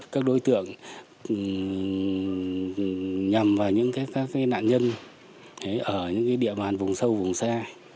các đối tượng nhằm vào những các nạn nhân ở những địa bàn vùng sâu vùng xa